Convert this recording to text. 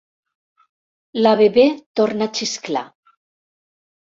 La Bebè torna a xisclar.